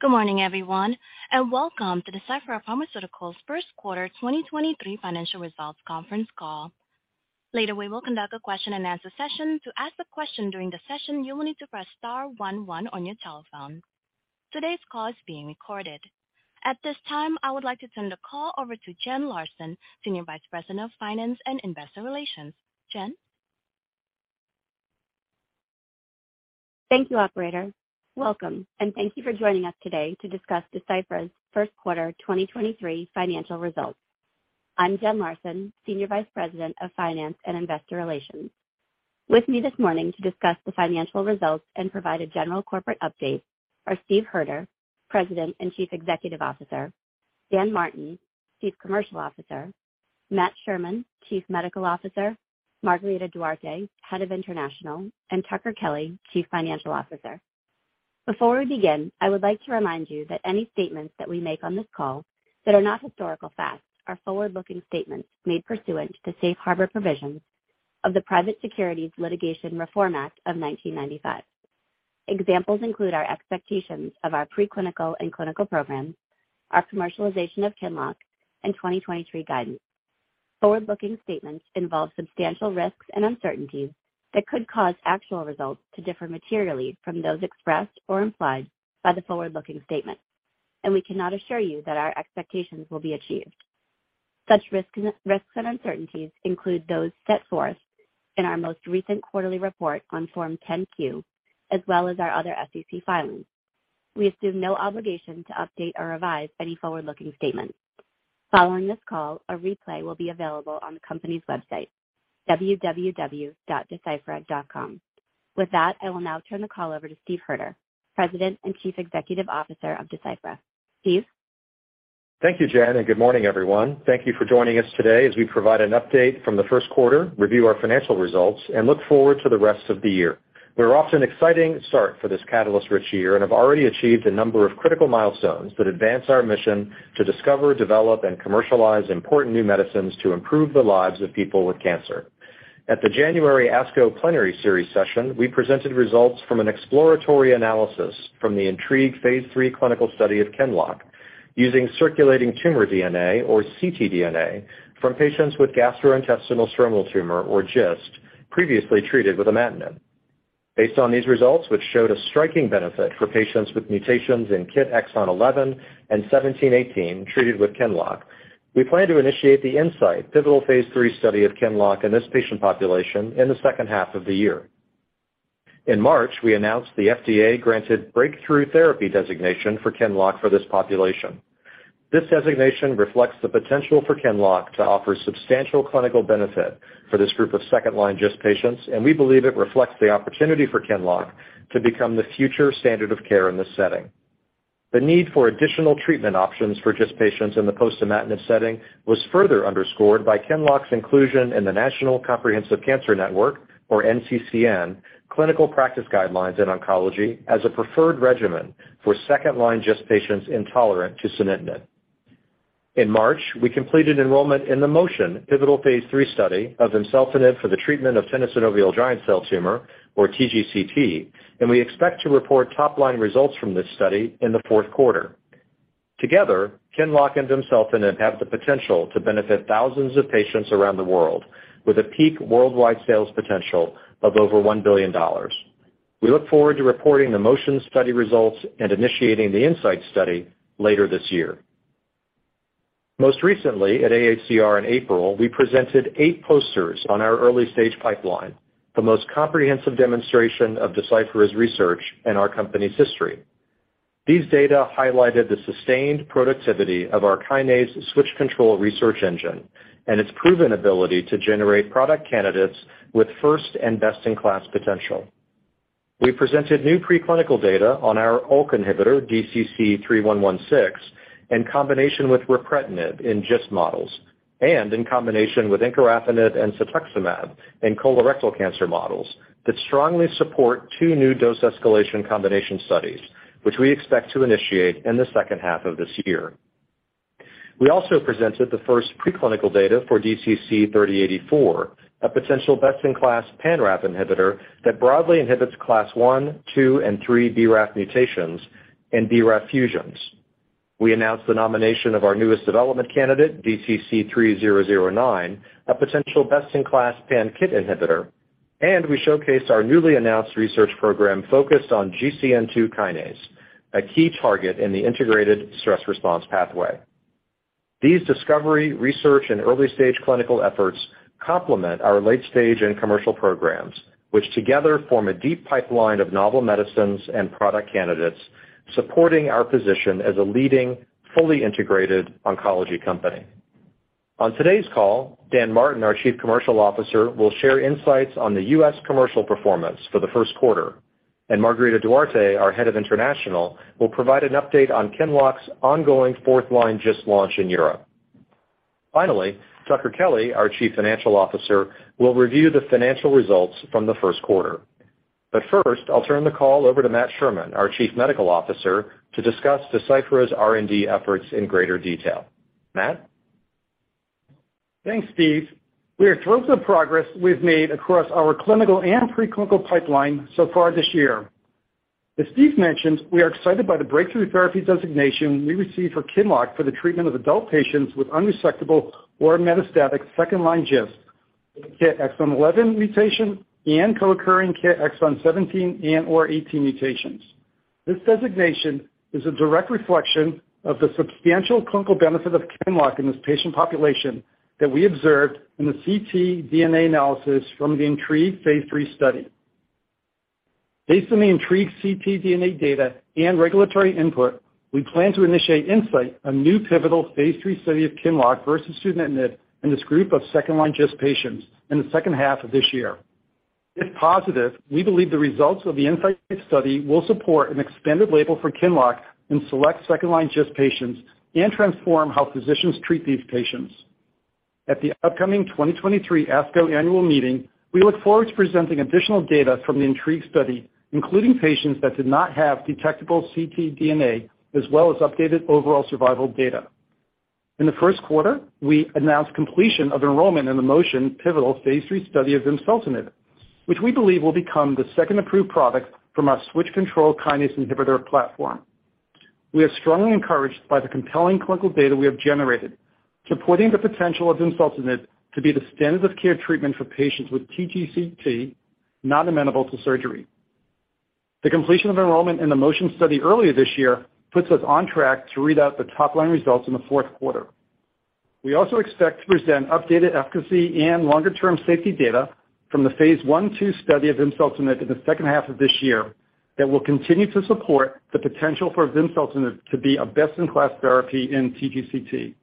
Good morning, everyone, welcome to Deciphera Pharmaceuticals' first quarter 2023 financial results conference call. Later, we will conduct a question-and-answer session. To ask a question during the session, you will need to press star one one on your telephone. Today's call is being recorded. At this time, I would like to turn the call over to Jenn Larson, Senior Vice President of Finance and Investor Relations. Jenn? Thank you, operator. Welcome, and thank you for joining us today to discuss Deciphera's first-quarter 2023 financial results. I'm Jenn Larson, Senior Vice President of Finance and Investor Relations. With me this morning to discuss the financial results and provide a general corporate update are Steve Hoerter, President and Chief Executive Officer, Dan Martin, Chief Commercial Officer, Matt Sherman, Chief Medical Officer, Margarida Duarte, Head of International, and Tucker Kelly, Chief Financial Officer. Before we begin, I would like to remind you that any statements that we make on this call that are not historical facts are forward-looking statements made pursuant to the safe harbor provisions of the Private Securities Litigation Reform Act of 1995. Examples include our expectations of our preclinical and clinical programs, our commercialization of QINLOCK, and 2023 guidance. Forward-looking statements involve substantial risks and uncertainties that could cause actual results to differ materially from those expressed or implied by the forward-looking statements, and we cannot assure you that our expectations will be achieved. Such risks and uncertainties include those set forth in our most recent quarterly report on Form 10-Q, as well as our other SEC filings. We assume no obligation to update or revise any forward-looking statements. Following this call, a replay will be available on the company's website, www.deciphera.com. I will now turn the call over to Steve Hoerter, President and Chief Executive Officer of Deciphera. Steve? Thank you, Jenn. Good morning, everyone. Thank you for joining us today as we provide an update from the first quarter, review our financial results, and look forward to the rest of the year. We're off to an exciting start for this catalyst-rich year and have already achieved a number of critical milestones that advance our mission to discover, develop, and commercialize important new medicines to improve the lives of people with cancer. At the January ASCO Plenary Series session, we presented results from an exploratory analysis from the INTRIGUE phase III clinical study of QINLOCK using circulating tumor DNA or CTDNA from patients with gastrointestinal stromal tumor, or GIST, previously treated with imatinib. Based on these results, which showed a striking benefit for patients with mutations in KIT exon 11 and 17-18 treated with QINLOCK, we plan to initiate the INSIGHT pivotal phase III study of QINLOCK in this patient population in the second half of the year. In March, we announced the FDA-granted Breakthrough Therapy Designation for QINLOCK for this population. This designation reflects the potential for QINLOCK to offer substantial clinical benefit for this group of second-line GIST patients, and we believe it reflects the opportunity for QINLOCK to become the future standard of care in this setting. The need for additional treatment options for GIST patients in the post-imatinib setting was further underscored by QINLOCK's inclusion in the National Comprehensive Cancer Network, or NCCN, clinical practice guidelines in oncology as a preferred regimen for second-line GIST patients intolerant to sunitinib. In March, we completed enrollment in the MOTION pivotal phase III study of vimseltinib for the treatment of tenosynovial giant cell tumor, or TGCT, and we expect to report top-line results from this study in the fourth quarter. Together, QINLOCK and vimseltinib have the potential to benefit thousands of patients around the world with a peak worldwide sales potential of over $1 billion. We look forward to reporting the MOTION study results and initiating the INSIGHT study later this year. Most recently at AACR in April, we presented eight posters on our early-stage pipeline, the most comprehensive demonstration of Deciphera's research in our company's history. These data highlighted the sustained productivity of our kinase switch control research engine and its proven ability to generate product candidates with first and best-in-class potential. We presented new preclinical data on our ALK inhibitor, DCC-3116, in combination with ripretinib in GIST models and in combination with encorafenib and cetuximab in colorectal cancer models that strongly support two new dose escalation combination studies, which we expect to initiate in the second half of this year. We also presented the first preclinical data for DCC-3084, a potential best-in-class pan-RAF inhibitor that broadly inhibits class one, two, and three BRAF mutations and BRAF fusions. We announced the nomination of our newest development candidate, DCC-3009, a potential best-in-class pan-KIT inhibitor, and we showcased our newly announced research program focused on GCN2 kinase, a key target in the integrated stress response pathway. These discovery, research, and early-stage clinical efforts complement our late-stage and commercial programs, which together form a deep pipeline of novel medicines and product candidates, supporting our position as a leading, fully integrated oncology company. On today's call, Dan Martin, our Chief Commercial Officer, will share insights on the U.S. commercial performance for the first quarter, and Margarida Duarte, our Head of International, will provide an update on QINLOCK's ongoing fourth-line GIST launch in Europe. Tucker Kelly, our Chief Financial Officer, will review the financial results from the first quarter. First, I'll turn the call over to Matt Sherman, our Chief Medical Officer, to discuss Deciphera's R&D efforts in greater detail. Matt? Thanks, Steve. We are thrilled with the progress we've made across our clinical and preclinical pipeline so far this year. As Steve mentioned, we are excited by the Breakthrough Therapy Designation we received for QINLOCK for the treatment of adult patients with unresectable or metastatic second-line GIST with a KIT exon 11 mutation and co-occurring KIT exon 17 and/or 18 mutations. This designation is a direct reflection of the substantial clinical benefit of QINLOCK in this patient population that we observed in the CTDNA analysis from the INTRIGUE phase III study. Based on the INTRIGUE CTDNA data and regulatory input, we plan to initiate INSIGHT, a new pivotal phase III study of QINLOCK versus sunitinib in this group of second-line GIST patients in the second half of this year. If positive, we believe the results of the INSIGHT study will support an expanded label for QINLOCK in select second-line GIST patients and transform how physicians treat these patients. At the upcoming 2023 ASCO annual meeting, we look forward to presenting additional data from the INTRIGUE study, including patients that did not have detectable CTDNA, as well as updated overall survival data. In the first quarter, we announced completion of enrollment in the MOTION pivotal phase III study of vimseltinib, which we believe will become the second approved product from our switch-control kinase inhibitor platform. We are strongly encouraged by the compelling clinical data we have generated, supporting the potential of vimseltinib to be the standard of care treatment for patients with TGCT not amenable to surgery. The completion of enrollment in the MOTION study earlier this year puts us on track to read out the top line results in the fourth quarter. We also expect to present updated efficacy and longer-term safety data from the phase I/II study of vimseltinib in the second half of this year that will continue to support the potential for vimseltinib to be a best-in-class therapy in TGCT.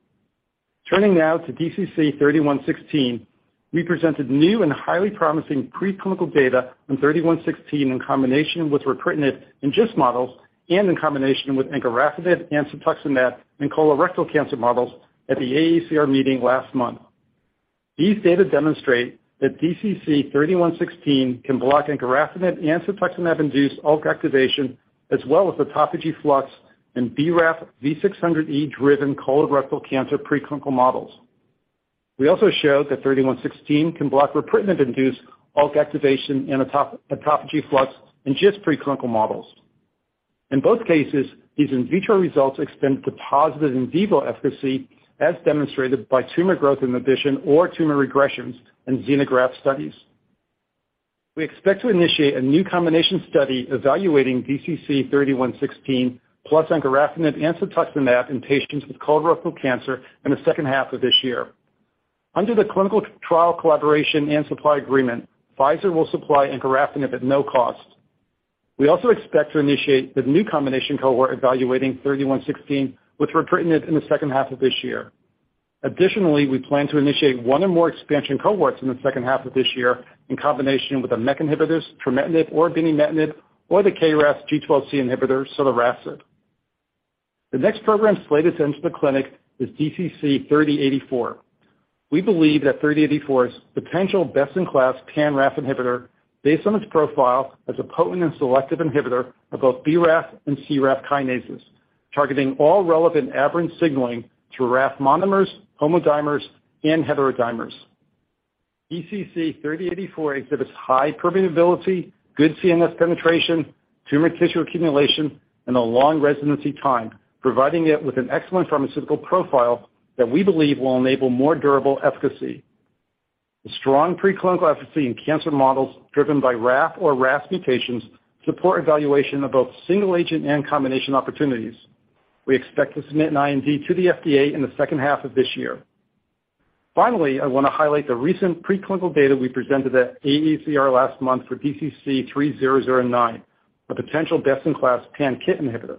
Now to DCC-3116. We presented new and highly promising preclinical data on 3116 in combination with ripretinib in GIST models and in combination with encorafenib and cetuximab in colorectal cancer models at the AACR meeting last month. These data demonstrate that DCC-3116 can block encorafenib and cetuximab-induced ALK activation as well as autophagy flux in BRAF V600E-driven colorectal cancer preclinical models. We also showed that 3116 can block ripretinib-induced ALK activation and autophagy flux in GIST preclinical models. In both cases, these in vitro results extend the positive in vivo efficacy as demonstrated by tumor growth inhibition or tumor regressions in xenograft studies. We expect to initiate a new combination study evaluating DCC-3116 encorafenib + cetuximab in patients with colorectal cancer in the second half of this year. Under the clinical trial collaboration and supply agreement, Pfizer will supply encorafenib at no cost. We also expect to initiate the new combination cohort evaluating 3116 with ripretinib in the second half of this year. Additionally, we plan to initiate one or more expansion cohorts in the second half of this year in combination with the MEK inhibitors, trametinib or binimetinib, or the KRAS G12C inhibitor, sotorasib. The next program slated into the clinic is DCC-3084. We believe that DCC-3084 is potential best-in-class pan-RAF inhibitor based on its profile as a potent and selective inhibitor of both BRAF and CRAF kinases, targeting all relevant aberrant signaling through RAF monomers, homodimers, and heterodimers. DCC-3084 exhibits high permeability, good CNS penetration, tumor tissue accumulation, and a long residency time, providing it with an excellent pharmaceutical profile that we believe will enable more durable efficacy. The strong preclinical efficacy in cancer models driven by RAF or RAS mutations support evaluation of both single agent and combination opportunities. We expect to submit an IND to the FDA in the second half of this year. I want to highlight the recent preclinical data we presented at AACR last month for DCC-3009, a potential best-in-class pan-KIT inhibitor.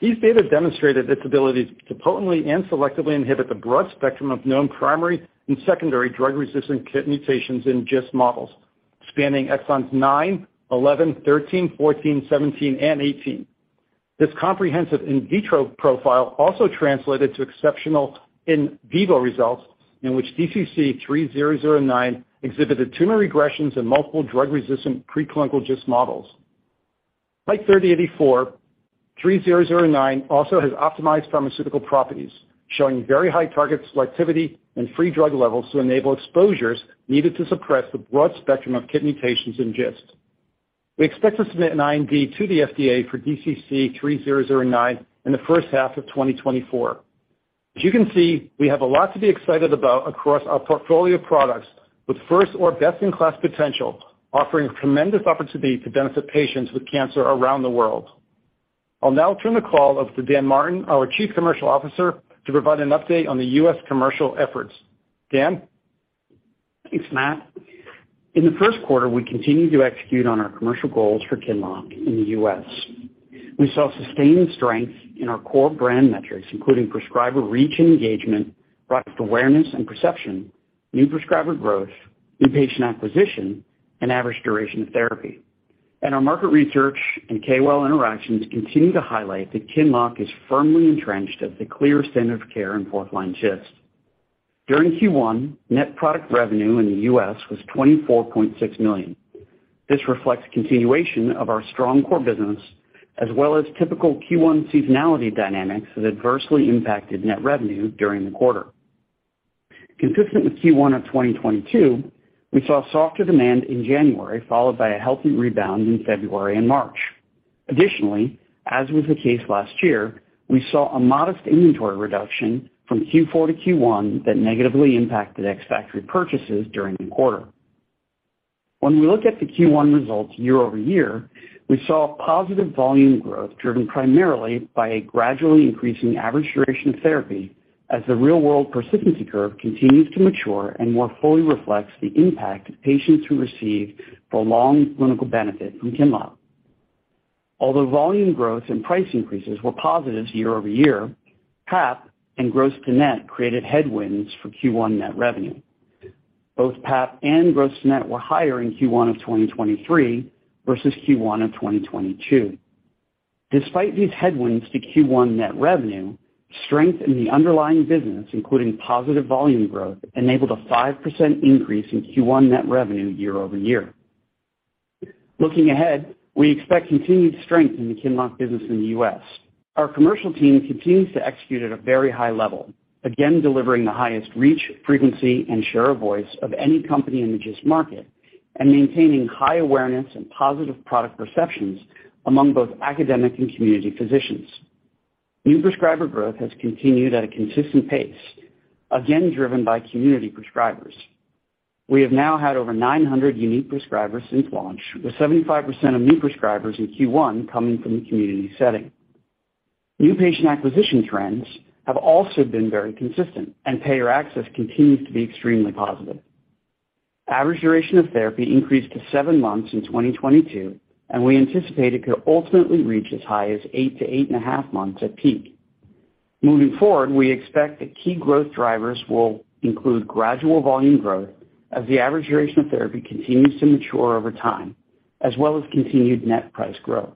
These data demonstrated its abilities to potently and selectively inhibit the broad spectrum of known primary and secondary drug-resistant KIT mutations in GIST models, spanning exons 9, 11, 13, 14, 17, and 18. This comprehensive in vitro profile also translated to exceptional in vivo results in which DCC-3009 exhibited tumor regressions in multiple drug-resistant preclinical GIST models. Like 3084, 3009 also has optimized pharmaceutical properties, showing very high target selectivity and free drug levels to enable exposures needed to suppress the broad spectrum of KIT mutations in GIST. We expect to submit an IND to the FDA for DCC-3009 in the first half of 2024. As you can see, we have a lot to be excited about across our portfolio of products with first or best-in-class potential, offering tremendous opportunity to benefit patients with cancer around the world. I'll now turn the call over to Dan Martin, our Chief Commercial Officer, to provide an update on the US commercial efforts. Dan? Thanks, Matt. In the first quarter, we continued to execute on our commercial goals for QINLOCK in the US. We saw sustained strength in our core brand metrics, including prescriber reach and engagement, product awareness and perception, new prescriber growth, new patient acquisition, and average duration of therapy. Our market research and key well interactions continue to highlight that QINLOCK is firmly entrenched as the clear standard of care in fourth-line GIST. During Q1, net product revenue in the US was $24.6 million. This reflects continuation of our strong core business as well as typical Q1 seasonality dynamics that adversely impacted net revenue during the quarter. Consistent with Q1 of 2022, we saw softer demand in January, followed by a healthy rebound in February and March. Additionally, as was the case last year, we saw a modest inventory reduction from Q4 to Q1 that negatively impacted ex-factory purchases during the quarter. When we look at the Q1 results year-over-year, we saw positive volume growth driven primarily by a gradually increasing average duration of therapy as the real-world persistency curve continues to mature and more fully reflects the impact of patients who receive prolonged clinical benefit from QINLOCK. Although volume growth and price increases were positives year-over-year, PAP and gross to net created headwinds for Q1 net revenue. Both PAP and gross net were higher in Q1 of 2023 versus Q1 of 2022. Despite these headwinds to Q1 net revenue, strength in the underlying business, including positive volume growth, enabled a 5% increase in Q1 net revenue year-over-year. Looking ahead, we expect continued strength in the QINLOCK business in the U.S. Our commercial team continues to execute at a very high level, again, delivering the highest reach, frequency, and share of voice of any company in the GIST market and maintaining high awareness and positive product perceptions among both academic and community physicians. New prescriber growth has continued at a consistent pace, again, driven by community prescribers. We have now had over 900 unique prescribers since launch, with 75% of new prescribers in Q1 coming from the community setting. New patient acquisition trends have also been very consistent, and payer access continues to be extremely positive. Average duration of therapy increased to 7 months in 2022, and we anticipate it could ultimately reach as high as 8 to 8.5 months at peak. Moving forward, we expect that key growth drivers will include gradual volume growth as the average duration of therapy continues to mature over time, as well as continued net price growth.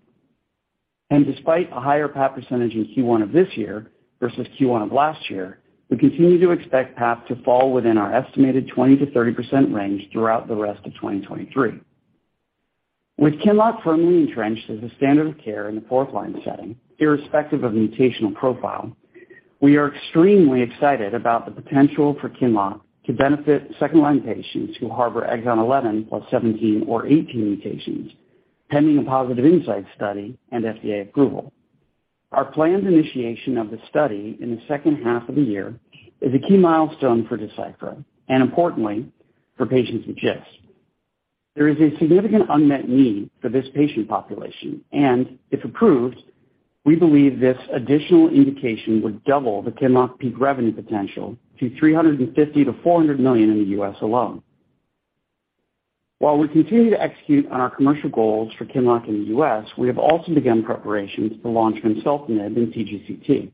Despite a higher PAP percentage in Q1 of this year versus Q1 of last year, we continue to expect PAP to fall within our estimated 20%-30% range throughout the rest of 2023. With QINLOCK firmly entrenched as a standard of care in the fourth-line setting, irrespective of mutational profile, we are extremely excited about the potential for QINLOCK to benefit second-line patients who harbor exon 11, +17 or 18 mutations, pending a positive INSIGHT study and FDA approval. Our planned initiation of the study in the second half of the year is a key milestone for Deciphera and importantly for patients with GIST. There is a significant unmet need for this patient population. If approved, we believe this additional indication would double the QINLOCK peak revenue potential to $350 million-$400 million in the U.S. alone. While we continue to execute on our commercial goals for QINLOCK in the U.S., we have also begun preparations to launch vimseltinib in TGCT,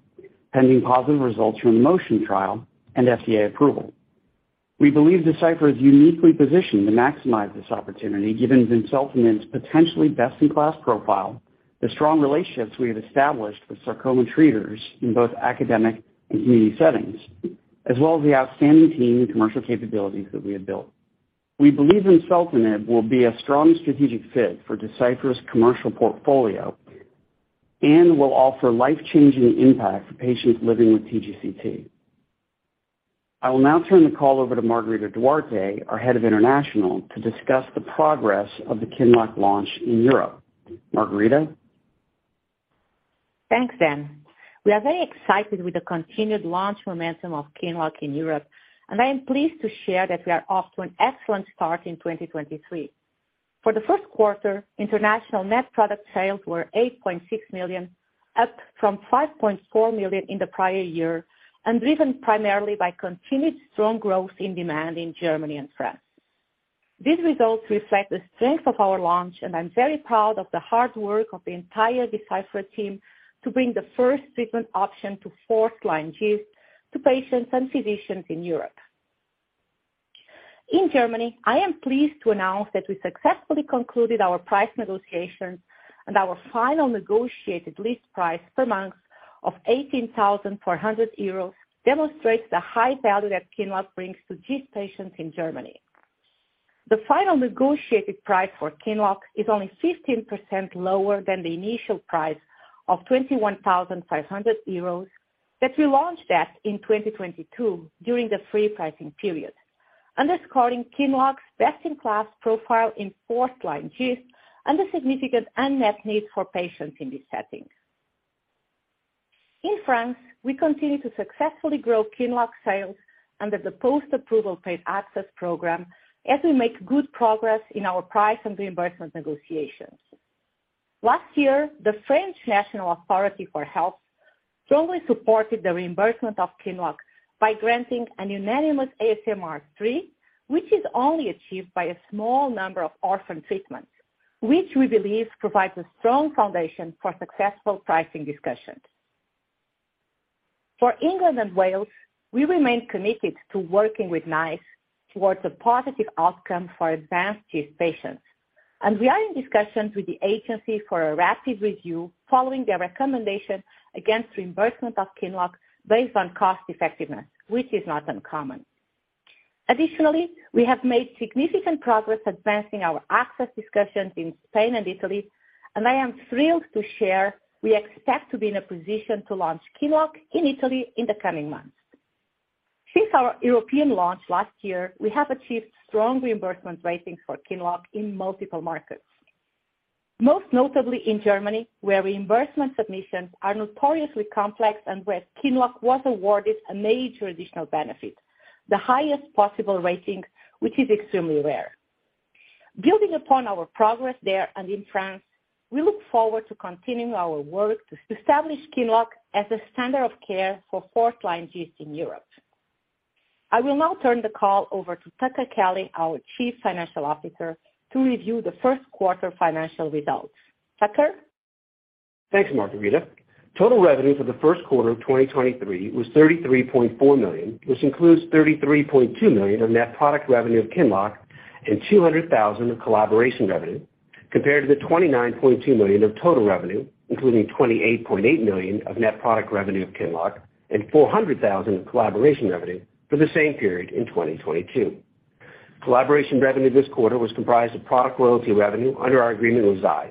pending positive results from the MOTION trial and FDA approval. We believe Deciphera is uniquely positioned to maximize this opportunity, given vimseltinib's potentially best-in-class profile, the strong relationships we have established with sarcoma treaters in both academic and community settings, as well as the outstanding team and commercial capabilities that we have built. We believe vimseltinib will be a strong strategic fit for Deciphera's commercial portfolio and will offer life-changing impact for patients living with TGCT. I will now turn the call over to Margarida Duarte, our head of international, to discuss the progress of the QINLOCK launch in Europe. Margarida? Thanks, Dan. We are very excited with the continued launch momentum of QINLOCK in Europe. I am pleased to share that we are off to an excellent start in 2023. For the first quarter, international net product sales were $8.6 million, up from $5.4 million in the prior year, driven primarily by continued strong growth in demand in Germany and France. These results reflect the strength of our launch. I'm very proud of the hard work of the entire Deciphera team to bring the first treatment option to fourth line GIST to patients and physicians in Europe. In Germany, I am pleased to announce that we successfully concluded our price negotiations. Our final negotiated list price per month of 18,400 euros demonstrates the high value that QINLOCK brings to GIST patients in Germany. The final negotiated price for QINLOCK is only 15% lower than the initial price of 21,500 euros that we launched at in 2022 during the free pricing period, underscoring QINLOCK's best-in-class profile in fourth line GIST and the significant unmet need for patients in these settings. In France, we continue to successfully grow QINLOCK sales under the post-approval paid access program as we make good progress in our price and reimbursement negotiations. Last year, the French National Authority for Health strongly supported the reimbursement of QINLOCK by granting a unanimous ASMR III, which is only achieved by a small number of orphan treatments, which we believe provides a strong foundation for successful pricing discussions. For England and Wales, we remain committed to working with NICE towards a positive outcome for advanced GIST patients, and we are in discussions with the agency for a rapid review following their recommendation against reimbursement of QINLOCK based on cost effectiveness, which is not uncommon. Additionally, we have made significant progress advancing our access discussions in Spain and Italy, and I am thrilled to share we expect to be in a position to launch QINLOCK in Italy in the coming months. Since our European launch last year, we have achieved strong reimbursement ratings for QINLOCK in multiple markets, most notably in Germany, where reimbursement submissions are notoriously complex and where QINLOCK was awarded a major additional benefit, the highest possible rating, which is extremely rare. Building upon our progress there and in France, we look forward to continuing our work to establish QINLOCK as a standard of care for fourth-line GIST in Europe. I will now turn the call over to Tucker Kelly, our Chief Financial Officer, to review the first quarter financial results. Tucker? Thanks, Margarida. Total revenue for the first quarter of 2023 was $33.4 million, which includes $33.2 million of net product revenue of QINLOCK and $200,000 of collaboration revenue, compared to the $29.2 million of total revenue, including $28.8 million of net product revenue of QINLOCK and $400,000 of collaboration revenue for the same period in 2022. Collaboration revenue this quarter was comprised of product royalty revenue under our agreement with Zai.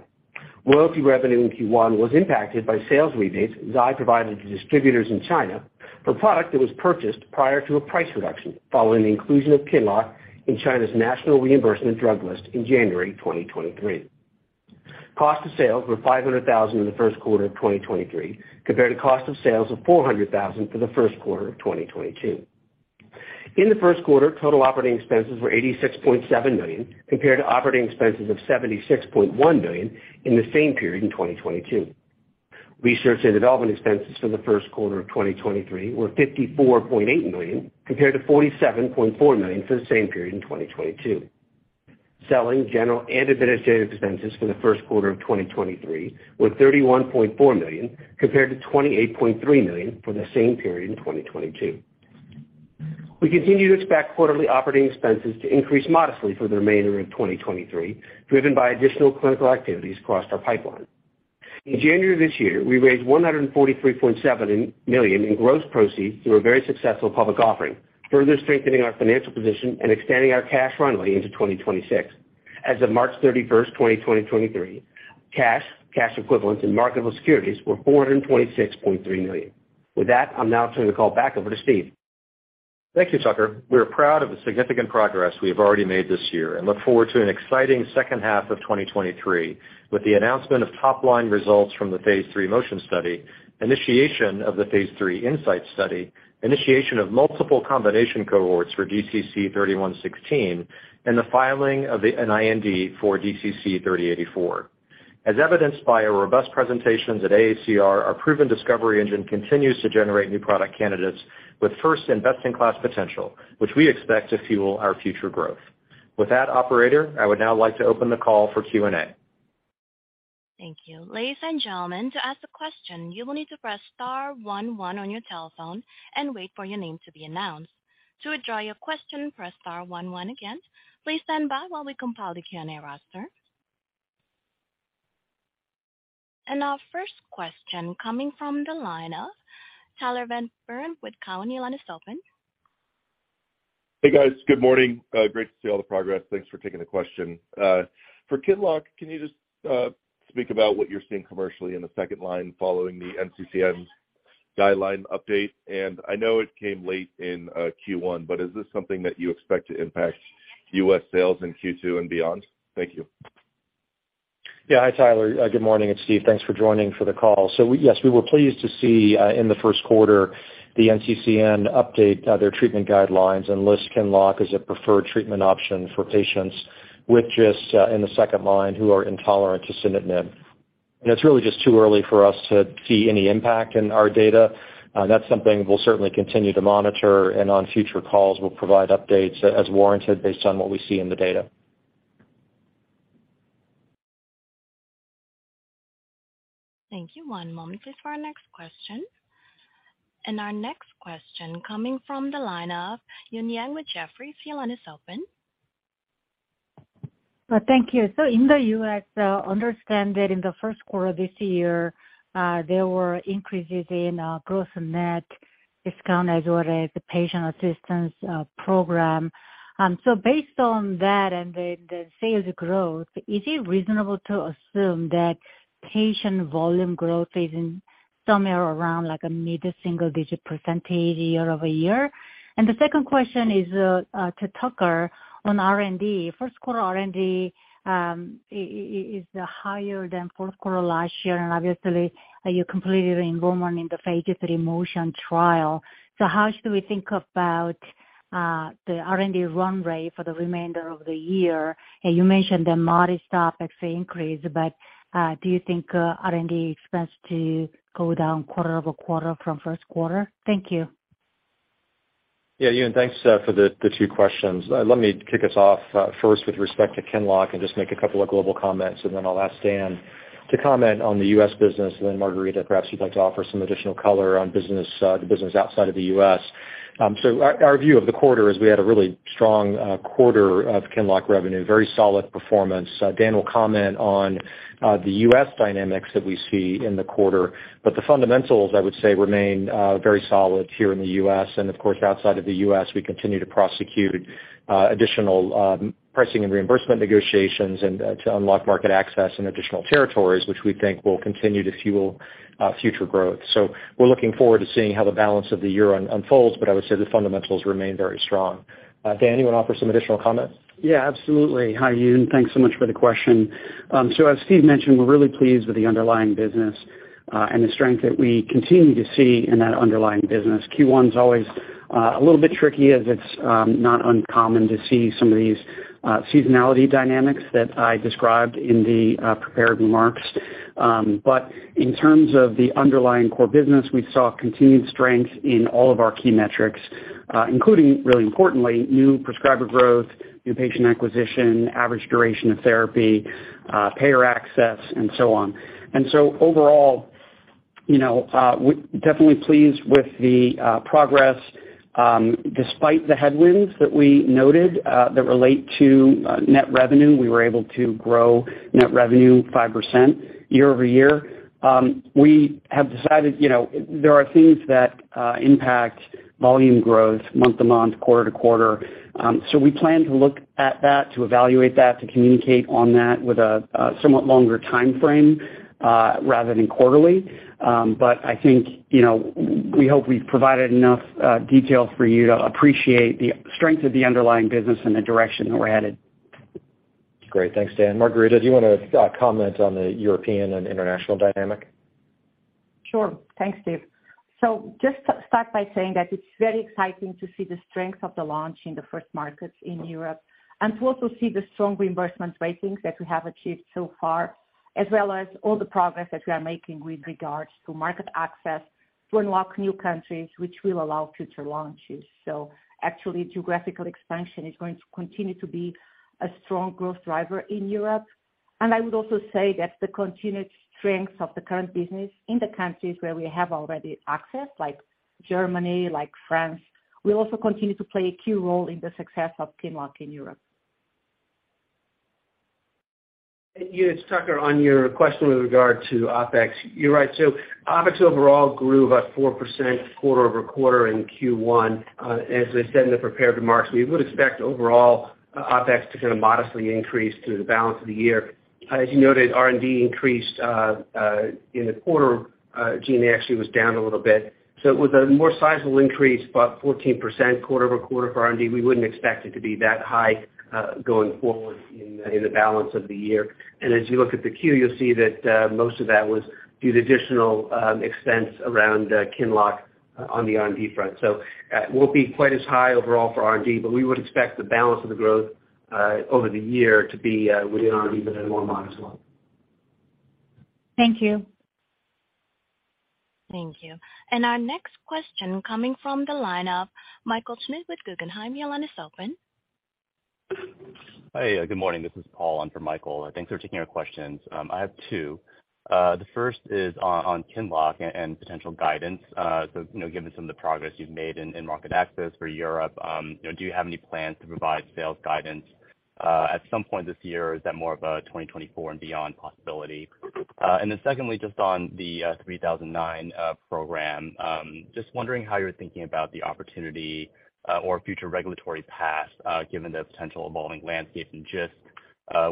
Royalty revenue in Q1 was impacted by sales rebates Zai provided to distributors in China for product that was purchased prior to a price reduction following the inclusion of QINLOCK in China's National Reimbursement Drug List in January 2023. Cost of sales were $500,000 in the first quarter of 2023, compared to cost of sales of $400,000 for the first quarter of 2022. In the first quarter, total operating expenses were $86.7 million, compared to operating expenses of $76.1 million in the same period in 2022. Research and development expenses for the first quarter of 2023 were $54.8 million, compared to $47.4 million for the same period in 2022. Selling, general and administrative expenses for the first quarter of 2023 were $31.4 million, compared to $28.3 million for the same period in 2022. We continue to expect quarterly operating expenses to increase modestly for the remainder of 2023, driven by additional clinical activities across our pipeline. In January of this year, we raised $143.7 million in gross proceeds through a very successful public offering, further strengthening our financial position and extending our cash runway into 2026. As of March 31st, 2023, cash equivalents and marketable securities were $426.3 million. With that, I'll now turn the call back over to Steve. Thank you, Tucker. We are proud of the significant progress we have already made this year and look forward to an exciting second half of 2023 with the announcement of top-line results from the phase III MOTION Study, initiation of the phase III INSIGHT Study, initiation of multiple combination cohorts for DCC-3116, and the filing of an IND for DCC-3084. As evidenced by our robust presentations at AACR, our proven discovery engine continues to generate new product candidates with first-in-best-in-class potential, which we expect to fuel our future growth. With that, operator, I would now like to open the call for Q&A. Thank you. Ladies and gentlemen, to ask a question, you will need to press star one one on your telephone and wait for your name to be announced. To withdraw your question, press star one one again. Please stand by while we compile the Q&A roster. Our first question coming from the line of Tyler Van Buren with Cowen. Your line is open. Hey, guys. Good morning. Great to see all the progress. Thanks for taking the question. For QINLOCK, can you just speak about what you're seeing commercially in the second line following the NCCN guideline update? I know it came late in Q1, but is this something that you expect to impact US sales in Q2 and beyond? Thank you. Hi, Tyler. good morning. It's Steve. Thanks for joining for the call. Yes, we were pleased to see in the first quarter the NCCN update their treatment guidelines and list QINLOCK as a preferred treatment option for patients with GIST in the second line who are intolerant to sunitinib. It's really just too early for us to see any impact in our data. That's something we'll certainly continue to monitor, and on future calls, we'll provide updates as warranted based on what we see in the data. Thank you. One moment please for our next question. Our next question coming from the line of Eun Yang with Jefferies. Your line is open. Thank you. In the U.S., understand that in the 1st quarter this year, there were increases in gross and net discount as well as the patient assistance program. Based on that and the sales growth, is it reasonable to assume that patient volume growth is in somewhere around a mid-to-single digit % year-over-year? The 2nd question is to Tucker on R&D. 1st quarter R&D is higher than 4th quarter last year, and obviously, you completed enrollment in the phase III MOTION trial. How should we think about the R&D run rate for the remainder of the year? You mentioned the modest OpEx increase, but do you think R&D expense to go down quarter-over-quarter from 1st quarter? Thank you. Yeah, Yoon, thanks, for the two questions. Let me kick us off first with respect to QINLOCK and just make a couple of global comments, and then I'll ask Dan Martin to comment on the US business, then Margarida perhaps you'd like to offer some additional color on the business outside of the US. Our view of the quarter is we had a really strong quarter of QINLOCK revenue, very solid performance. Dan will comment on the US dynamics that we see in the quarter, the fundamentals, I would say, remain very solid here in the US. Of course, outside of the US, we continue to prosecute additional pricing and reimbursement negotiations and to unlock market access in additional territories, which we think will continue to fuel future growth. We're looking forward to seeing how the balance of the year unfolds. I would say the fundamentals remain very strong. Dan, you wanna offer some additional comments? Yeah, absolutely. Hi, Eun. Thanks so much for the question. As Steve mentioned, we're really pleased with the underlying business, and the strength that we continue to see in that underlying business. Q1 is always a little bit tricky as it's not uncommon to see some of these seasonality dynamics that I described in the prepared remarks. In terms of the underlying core business, we saw continued strength in all of our key metrics, including, really importantly, new prescriber growth, new patient acquisition, average duration of therapy, payer access, and so on. Overall, you know, we're definitely pleased with the progress, despite the headwinds that we noted, that relate to net revenue. We were able to grow net revenue 5% year-over-year. We have decided, you know, there are things that impact volume growth month to month, quarter to quarter. We plan to look at that, to evaluate that, to communicate on that with a somewhat longer timeframe rather than quarterly. I think, you know, we hope we've provided enough detail for you to appreciate the strength of the underlying business and the direction that we're headed. Great. Thanks, Dan. Margarida, do you wanna comment on the European and international dynamic? Sure. Thanks, Steve. Just start by saying that it's very exciting to see the strength of the launch in the first markets in Europe, and to also see the strong reimbursement ratings that we have achieved so far, as well as all the progress that we are making with regards to market access to unlock new countries which will allow future launches. Actually, geographical expansion is going to continue to be a strong growth driver in Europe. I would also say that the continued strength of the current business in the countries where we have already access, like Germany, like France, will also continue to play a key role in the success of QINLOCK in Europe. Eun, it's Tucker. On your question with regard to OpEx, you're right. OpEx overall grew about 4% quarter-over-quarter in Q1. As I said in the prepared remarks, we would expect overall OpEx to kinda modestly increase through the balance of the year. As you noted, R&D increased in the quarter. GM actually was down a little bit, it was a more sizable increase, about 14% quarter-over-quarter for R&D. We wouldn't expect it to be that high going forward in the balance of the year. As you look at the Q, you'll see that most of that was due to additional expense around QINLOCK on the R&D front. It won't be quite as high overall for R&D, but we would expect the balance of the growth over the year to be within R&D, but at a more modest level. Thank you. Thank you. Our next question coming from the line of Michael Schmidt with Guggenheim. Your line is open. Hey, good morning. This is Paul on for Michael. Thanks for taking our questions. I have 2. The first is on QINLOCK and potential guidance. You know, given some of the progress you've made in market access for Europe, you know, do you have any plans to provide sales guidance at some point this year, or is that more of a 2024 and beyond possibility? Secondly, just on the 3009 program, just wondering how you're thinking about the opportunity or future regulatory path, given the potential evolving landscape in GIST,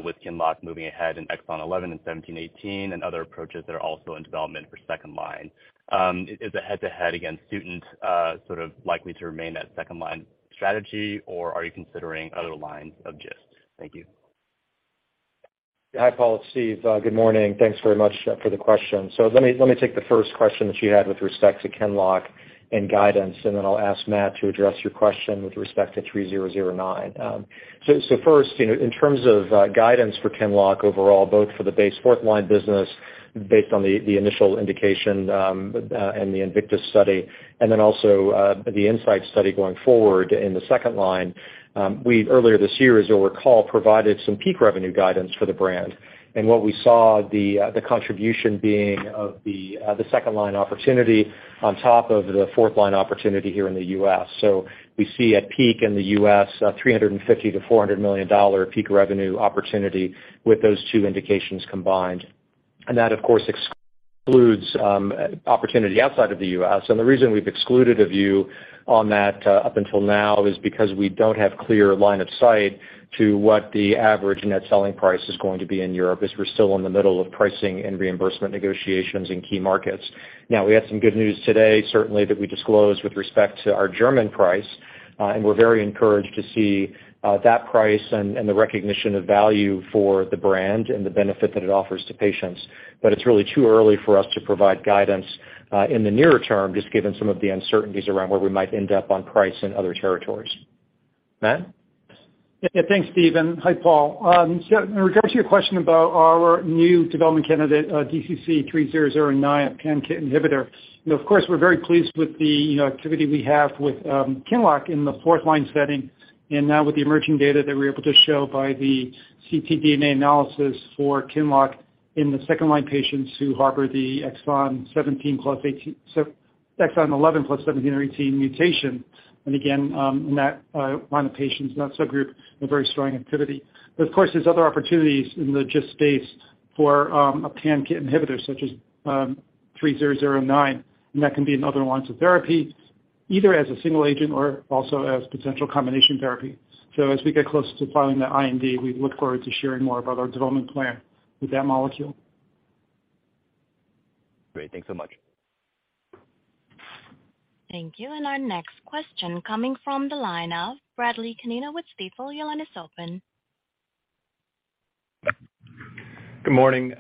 with QINLOCK moving ahead in exon 11 and 17 18 and other approaches that are also in development for second line. Is the head-to-head against sunitinib, sort of likely to remain that second line strategy, or are you considering other lines of GIST? Thank you. Hi, Paul. It's Steve. Good morning. Thanks very much for the question. Let me take the first question that you had with respect to QINLOCK and guidance, and then I'll ask Matt to address your question with respect to DCC-3009. First, you know, in terms of guidance for QINLOCK overall, both for the base fourth line business based on the initial indication and the INVICTUS study, and then also the INSIGHT study going forward in the second line. We earlier this year, as you'll recall, provided some peak revenue guidance for the brand. What we saw the contribution being of the second line opportunity on top of the fourth line opportunity here in the U.S. We see a peak in the U.S., $350 million-$400 million peak revenue opportunity with those two indications combined. That of course excludes opportunity outside of the U.S. The reason we've excluded a view on that up until now is because we don't have clear line of sight to what the average net selling price is going to be in Europe, as we're still in the middle of pricing and reimbursement negotiations in key markets. We had some good news today, certainly, that we disclosed with respect to our German price, and we're very encouraged to see that price and the recognition of value for the brand and the benefit that it offers to patients. It's really too early for us to provide guidance, in the nearer term, just given some of the uncertainties around where we might end up on price in other territories. Matt? Yeah. Yeah. Thanks, Steve, and hi, Paul. In regards to your question about our new development candidate, DCC-3009 pan-KIT inhibitor, you know, of course, we're very pleased with the, you know, activity we have with QINLOCK in the fourth line setting. Now with the emerging data that we're able to show by the CTDNA analysis for QINLOCK in the second line patients who harbor the exon 17+18. Exon 11+17 or 18 mutation. Again, in that line of patients, in that subgroup, a very strong activity. Of course, there's other opportunities in the GIST space for a pan-KIT inhibitor such as 3009, and that can be another line to therapy, either as a single agent or also as potential combination therapy. As we get closer to filing the IND, we look forward to sharing more about our development plan with that molecule. Great. Thanks so much. Thank you. Our next question coming from the line of Bradley Canino with Stifel. Your line is open. Good morning.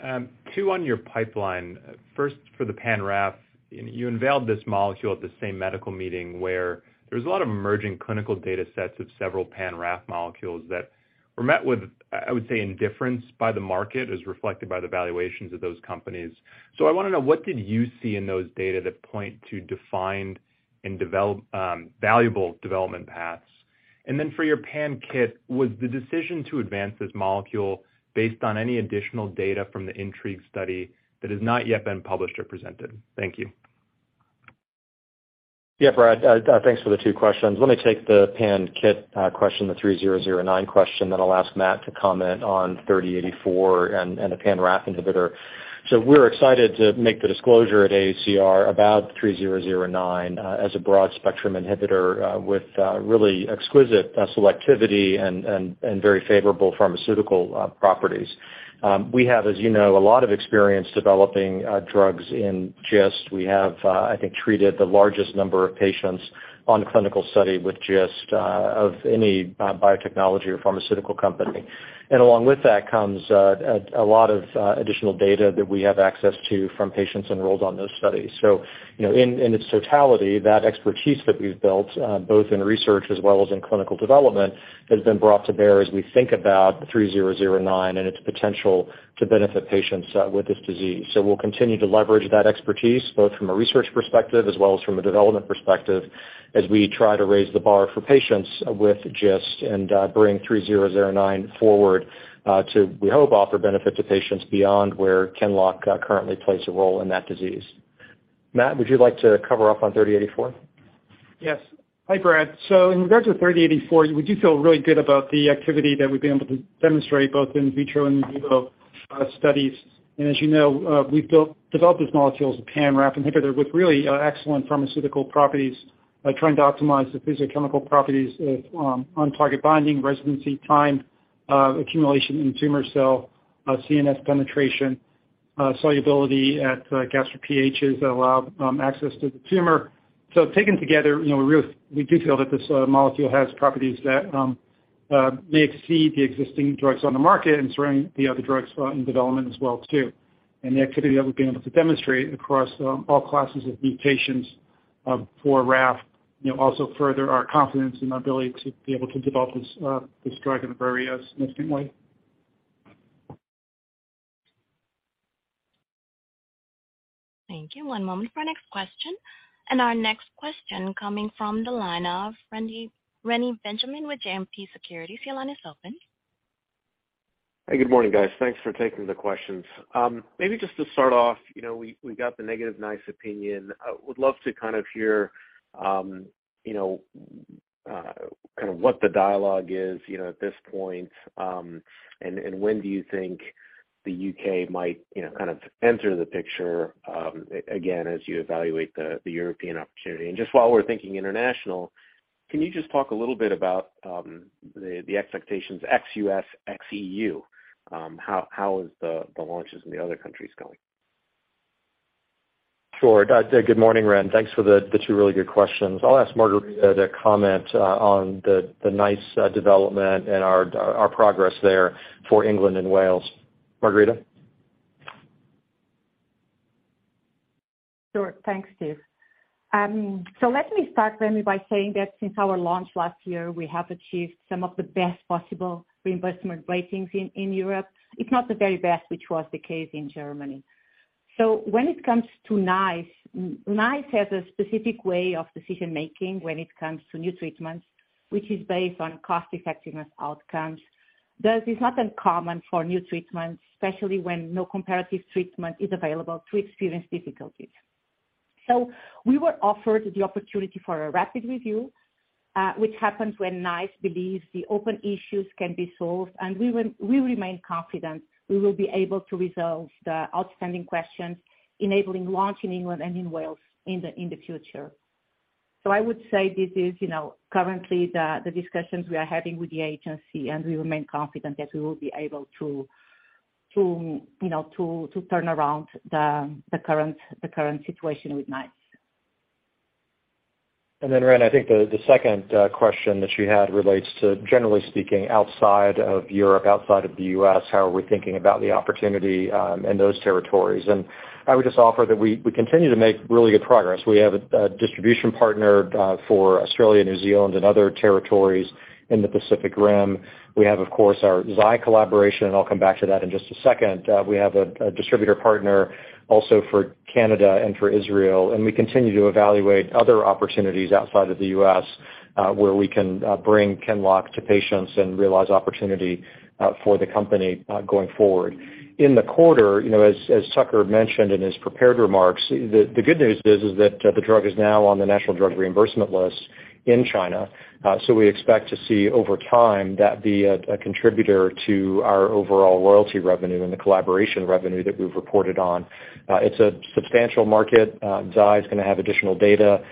Two on your pipeline. First, for the pan-RAF, you unveiled this molecule at the same medical meeting where there was a lot of emerging clinical data sets of several pan-RAF molecules that were met with, I would say indifference by the market, as reflected by the valuations of those companies. I want to know, what did you see in those data that point to defined and valuable development paths? For your pan-KIT, was the decision to advance this molecule based on any additional data from the INTRIGUE study that has not yet been published or presented? Thank you. Yeah, Brad, thanks for the 2 questions. Let me take the pan-KIT question, the DCC-3009 question, then I'll ask Matt to comment on DCC-3084 and the pan-RAF inhibitor. We're excited to make the disclosure at AACR about DCC-3009 as a broad spectrum inhibitor with really exquisite selectivity and very favorable pharmaceutical properties. We have, as you know, a lot of experience developing drugs in GIST. We have, I think, treated the largest number of patients on clinical study with GIST of any biotechnology or pharmaceutical company. Along with that comes a lot of additional data that we have access to from patients enrolled on those studies. You know, in its totality, that expertise that we've built, both in research as well as in clinical development, has been brought to bear as we think about DCC-3009 and its potential to benefit patients with this disease. We'll continue to leverage that expertise, both from a research perspective as well as from a development perspective, as we try to raise the bar for patients with GIST and bring DCC-3009 forward to, we hope, offer benefit to patients beyond where QINLOCK currently plays a role in that disease. Matt, would you like to cover up on DCC-3084? Yes. Hi, Brad. In regards to DCC-3084, we do feel really good about the activity that we've been able to demonstrate both in vitro and in vivo studies. As you know, we've developed this molecule as a pan-RAF inhibitor with really excellent pharmaceutical properties, trying to optimize the physiochemical properties of on target binding, residency time, accumulation in tumor cell, CNS penetration, solubility at gastric pHs that allow access to the tumor. Taken together, you know, we do feel that this molecule has properties that may exceed the existing drugs on the market and surrounding the other drugs in development as well, too. The activity that we've been able to demonstrate across all classes of mutations for RAF, you know, also further our confidence in our ability to be able to develop this drug in a very significant way. Thank you. One moment for our next question. Our next question coming from the line of Reni Benjamin with JMP Securities. Your line is open. Hey, good morning, guys. Thanks for taking the questions. Maybe just to start off, you know, we got the negative NICE opinion. Would love to kind of hear, you know, kind of what the dialogue is, you know, at this point, and when do you think the U.K. might, you know, kind of enter the picture again as you evaluate the European opportunity? Just while we're thinking international, can you just talk a little bit about the expectations ex-US, ex-EU, how is the launches in the other countries going? Sure. Good morning, Rand. Thanks for the two really good questions. I'll ask Margarida to comment on the NICE development and our progress there for England and Wales. Margarida? Sure. Thanks, Steve. Let me start, Reni, by saying that since our launch last year, we have achieved some of the best possible reimbursement ratings in Europe, if not the very best, which was the case in Germany. When it comes to NICE has a specific way of decision-making when it comes to new treatments, which is based on cost-effectiveness outcomes. Thus, it's not uncommon for new treatments, especially when no comparative treatment is available, to experience difficulties. We were offered the opportunity for a rapid review, which happens when NICE believes the open issues can be solved, and we remain confident we will be able to resolve the outstanding questions, enabling launch in England and in Wales in the future. I would say this is, you know, currently the discussions we are having with the agency, and we remain confident that we will be able to, you know, to turn around the current situation with NICE. Rand, I think the second question that you had relates to, generally speaking, outside of Europe, outside of the US, how are we thinking about the opportunity in those territories? I would just offer that we continue to make really good progress. We have a distribution partner for Australia, New Zealand and other territories in the Pacific Rim. We have, of course, our Zai collaboration, and I'll come back to that in just a second. We have a distributor partner also for Canada and for Israel, and we continue to evaluate other opportunities outside of the US. where we can bring QINLOCK to patients and realize opportunity for the company going forward. In the quarter, you know, as Tucker mentioned in his prepared remarks, the good news is that the drug is now on the National Reimbursement Drug List in China. We expect to see over time that be a contributor to our overall royalty revenue and the collaboration revenue that we've reported on. It's a substantial market. Zai is gonna have additional data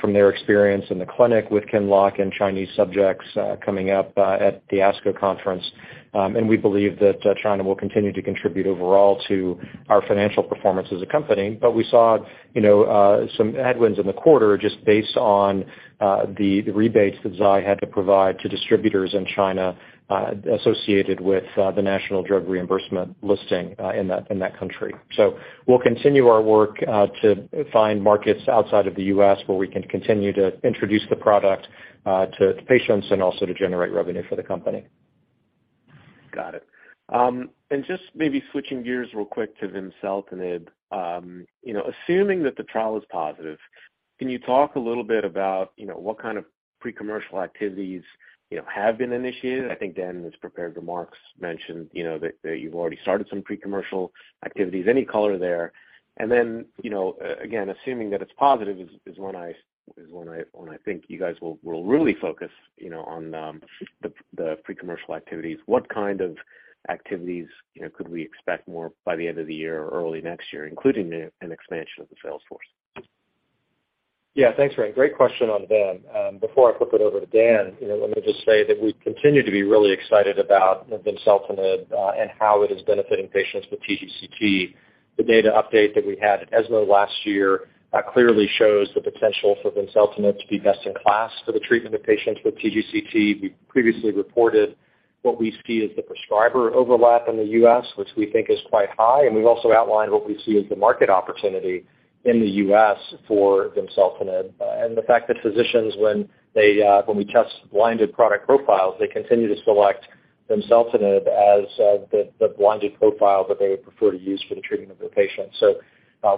from their experience in the clinic with QINLOCK in Chinese subjects coming up at the ASCO conference. We believe that China will continue to contribute overall to our financial performance as a company. We saw, you know, some headwinds in the quarter just based on the rebates that Zai had to provide to distributors in China associated with the National Reimbursement Drug List in that country. We'll continue our work to find markets outside of the U.S. where we can continue to introduce the product to patients and also to generate revenue for the company. Got it. Just maybe switching gears real quick to vimseltinib. You know, assuming that the trial is positive, can you talk a little bit about, you know, what kind of pre-commercial activities, you know, have been initiated? I think Dan, in his prepared remarks, mentioned, you know, that you've already started some pre-commercial activities. Any color there? Then, you know, again, assuming that it's positive is when I think you guys will really focus, you know, on the pre-commercial activities. What kind of activities, you know, could we expect more by the end of the year or early next year, including an expansion of the sales force? Yeah. Thanks, Ren. Great question on Vim. Before I flip it over to Dan, you know, let me just say that we continue to be really excited about Vimseltinib and how it is benefiting patients with TGCT. The data update that we had at ESMO last year, clearly shows the potential for Vimseltinib to be best in class for the treatment of patients with TGCT. We've previously reported what we see as the prescriber overlap in the U.S., which we think is quite high, and we've also outlined what we see as the market opportunity in the U.S. for Vimseltinib. And the fact that physicians, when they, when we test blinded product profiles, they continue to select Vimseltinib as the blinded profile that they would prefer to use for the treatment of their patients.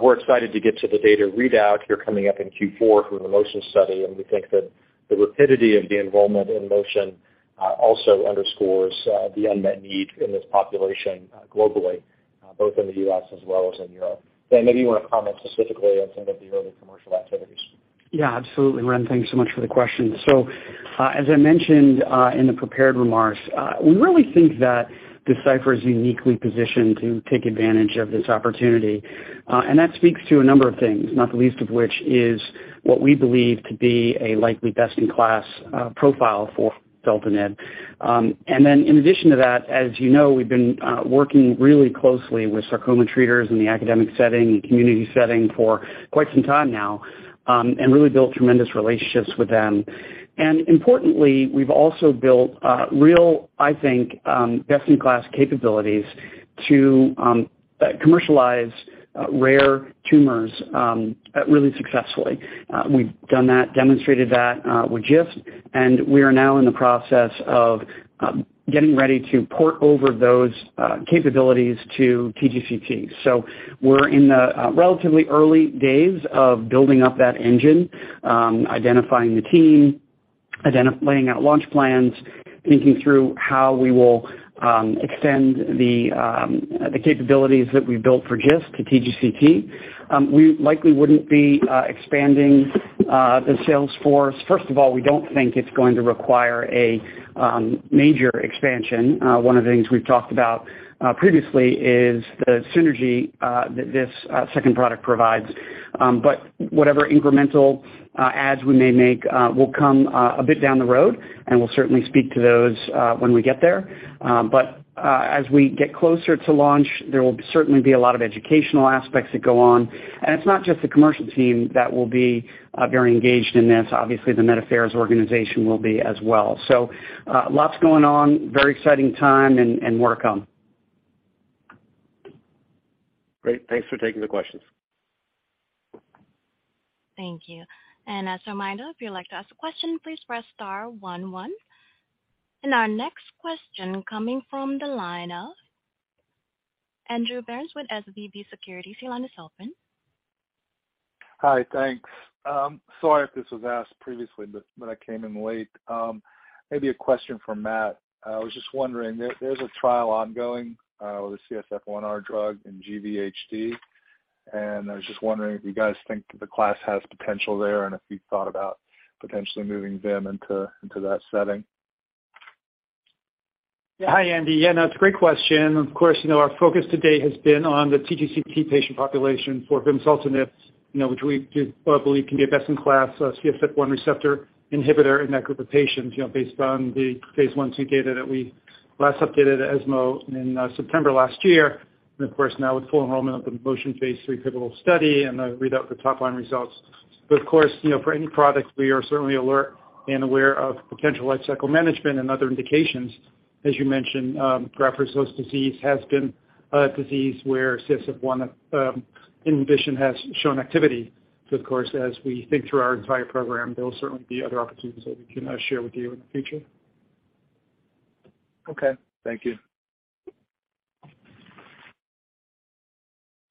We're excited to get to the data readout here coming up in Q4 from the MOTION study. We think that the rapidity of the enrollment in MOTION also underscores the unmet need in this population globally both in the U.S. as well as in Europe. Dan, maybe you wanna comment specifically on some of the early commercial activities. Yeah, absolutely. Ren, thanks so much for the question. As I mentioned, in the prepared remarks, we really think that Deciphera is uniquely positioned to take advantage of this opportunity, and that speaks to a number of things, not the least of which is what we believe to be a likely best in class profile for Vimseltinib. In addition to that, as you know, we've been working really closely with sarcoma treaters in the academic setting and community setting for quite some time now, and really built tremendous relationships with them. Importantly, we've also built real, I think, best in class capabilities to commercialize rare tumors really successfully. We've done that, demonstrated that, with QINLOCK, we are now in the process of getting ready to port over those capabilities to TGCT. We're in the relatively early days of building up that engine, identifying the team, laying out launch plans, thinking through how we will extend the capabilities that we built for QINLOCK to TGCT. We likely wouldn't be expanding the sales force. First of all, we don't think it's going to require a major expansion. One of the things we've talked about previously is the synergy that this second product provides. Whatever incremental adds we may make, will come a bit down the road, and we'll certainly speak to those when we get there. As we get closer to launch, there will certainly be a lot of educational aspects that go on. It's not just the commercial team that will be very engaged in this. Obviously, the Medical Affairs organization will be as well. Lots going on, very exciting time and more to come. Great. Thanks for taking the questions. Thank you. As a reminder, if you'd like to ask a question, please press star one one. Our next question coming from the line of Andrew Berens with SVB Securities. Your line is open. Hi. Thanks. Sorry if this was asked previously, but I came in late. Maybe a question for Matt. I was just wondering, there's a trial ongoing with the CSF1R drug in GVHD, and I was just wondering if you guys think the class has potential there and if you've thought about potentially moving them into that setting. Yeah. Hi, Andy. Yeah, no, it's a great question. Of course, you know, our focus today has been on the TGCT patient population for vimseltinib, you know, which we do believe can be a best in class CSF1 receptor inhibitor in that group of patients, you know, based on the phase I/II data that we last updated at ESMO in September last year. Of course, now with full enrollment of the MOTION phase III pivotal study and the readout, the top line results. Of course, you know, for any product, we are certainly alert and aware of potential life cycle management and other indications. As you mentioned, graft-versus-host disease has been a disease where CSF1 inhibition has shown activity. Of course, as we think through our entire program, there will certainly be other opportunities that we can share with you in the future. Okay. Thank you.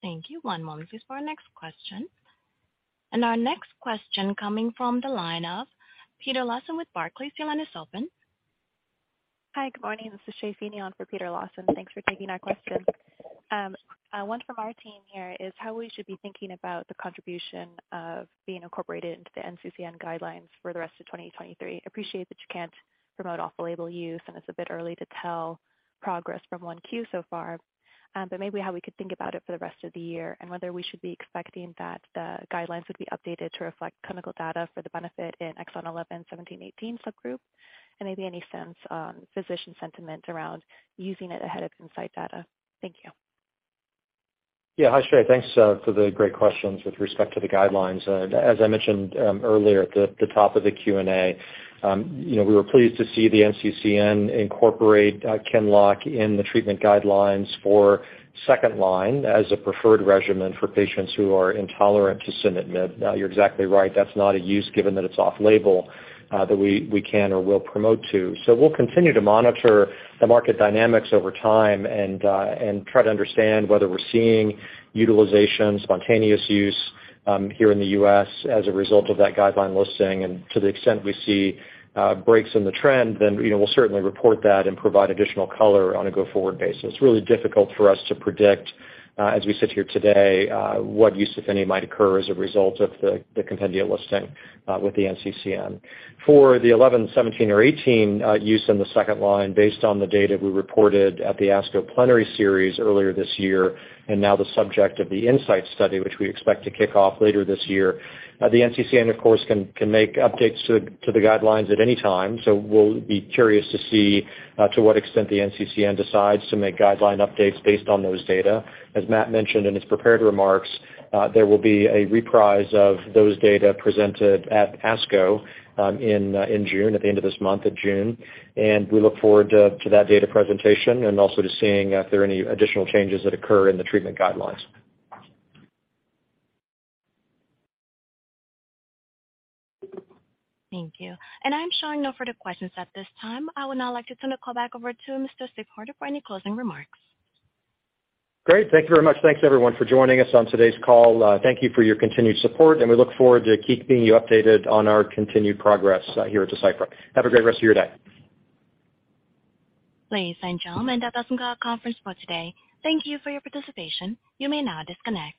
Thank you. One moment please for our next question. Our next question coming from the line of Peter Lawson with Barclays. Your line is open. Hi, good morning. This is Shae Feeney on for Peter Lawson. Thanks for taking our question. One from our team here is how we should be thinking about the contribution of being incorporated into the NCCN guidelines for the rest of 2023. I appreciate that you can't promote off-label use. It's a bit early to tell progress from 1Q so far. Maybe how we could think about it for the rest of the year and whether we should be expecting that the guidelines would be updated to reflect clinical data for the benefit in exon 11, 17, 18 subgroup. Maybe any sense on physician sentiment around using it ahead of INSIGHT data. Thank you. Yeah. Hi, Shae. Thanks for the great questions with respect to the guidelines. As I mentioned earlier at the top of the Q&A, you know, we were pleased to see the NCCN incorporate QINLOCK in the treatment guidelines for second line as a preferred regimen for patients who are intolerant to sunitinib. Now, you're exactly right, that's not a use, given that it's off label that we can or will promote to. We'll continue to monitor the market dynamics over time and try to understand whether we're seeing utilization, spontaneous use here in the U.S. as a result of that guideline listing. To the extent we see breaks in the trend, then, you know, we'll certainly report that and provide additional color on a go-forward basis. It's really difficult for us to predict, as we sit here today, what use, if any, might occur as a result of the compendia listing with the NCCN. For the 11, 17 or 18 use in the second line, based on the data we reported at the ASCO Plenary Series earlier this year and now the subject of the INSIGHT study, which we expect to kick off later this year. The NCCN, of course, can make updates to the guidelines at any time, so we'll be curious to see to what extent the NCCN decides to make guideline updates based on those data. As Matt mentioned in his prepared remarks, there will be a reprise of those data presented at ASCO in June, at the end of this month of June. We look forward to that data presentation and also to seeing if there are any additional changes that occur in the treatment guidelines. Thank you. I'm showing no further questions at this time. I would now like to turn the call back over to Mr. Steve Hoerter for any closing remarks. Great. Thank you very much. Thanks, everyone for joining us on today's call. Thank you for your continued support, and we look forward to keep being you updated on our continued progress here at Deciphera. Have a great rest of your day. Ladies and gentlemen, that does end our conference for today. Thank you for your participation. You may now disconnect.